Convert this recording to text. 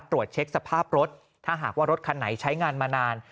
ตรวจเช็คสภาพรถถ้าหากว่ารถคันไหนใช้งานมานาน